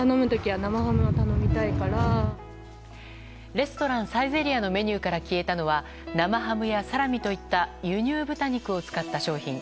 レストラン、サイゼリヤのメニューから消えたのは生ハムやサラミといった輸入豚肉を使った商品。